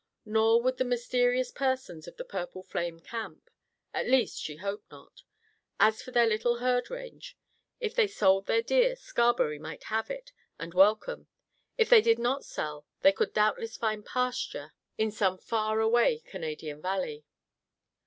Nor would the mysterious persons of the purple flame camp; at least, she hoped not. As for their little herd range, if they sold their deer, Scarberry might have it, and welcome; if they did not sell, they could doubtless find pasture in some far away Canadian valley.